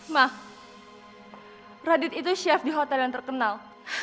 mah radit itu chef di hotel yang terkenal